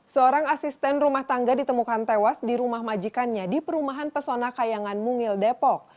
seorang asisten rumah tangga ditemukan tewas di rumah majikannya di perumahan pesona kayangan mungil depok